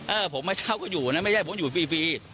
เออผมมาเช่าก็อยู่นะไม่ใช่ผมอยู่ฟรีฟรี